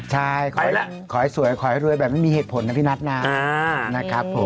ใช่ขอให้สวยขอให้รวยแบบไม่มีเหตุผลนะพี่นัทนะนะครับผม